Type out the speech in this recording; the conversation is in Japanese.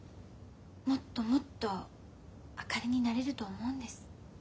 もっともっと明かりになれると思うんです。